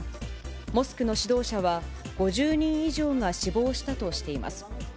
モスクの指導者は、５０人以上が死亡したとしています。